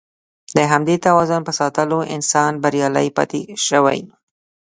د همدې توازن په ساتلو انسان بریالی پاتې شوی.